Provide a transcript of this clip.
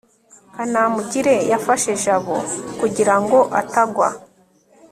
kanamugire yafashe jabo kugira ngo atagwa